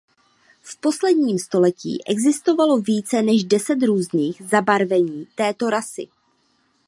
V posledním století existovalo více než deset různých zabarvení této rasy.